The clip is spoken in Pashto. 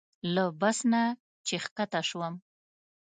له بس نه چې ښکته شوم.